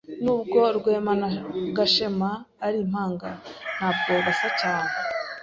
Nubwo Rwema na Gashema ari impanga, ntabwo basa cyane.